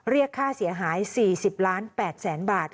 เรียกค่าเสียหาย๔๐ล้าน๘แสนบาท